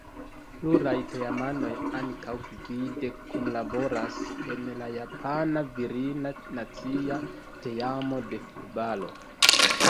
Pluraj teamanoj ankaŭ gvide kunlaboras en la japana virina nacia teamo de futbalo.